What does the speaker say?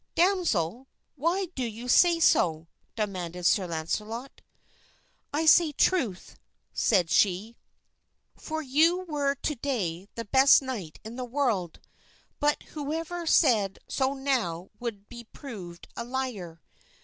"Damsel, why do you say so?" demanded Sir Launcelot. "I say truth," said she, "for you were to day the best knight in the world, but whoever said so now would be proved a liar.